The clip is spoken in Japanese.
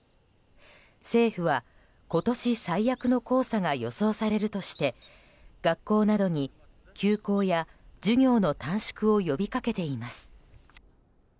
政府は、今年最悪の黄砂が予想されるとして学校などに休校や授業の短縮を呼び掛けています。